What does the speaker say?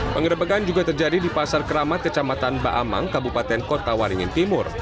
pengerebekan juga terjadi di pasar keramat kecamatan baamang ⁇ kabupaten kota waringin timur